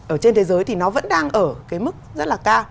ở trên thế giới thì nó vẫn đang ở cái mức rất là cao